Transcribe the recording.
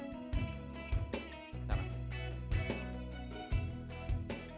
pertama mungkin yang dikategorikan sebagai usia dini adalah seorang dokter spesialis